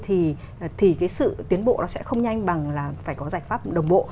thì sự tiến bộ sẽ không nhanh bằng phải có giải pháp đồng bộ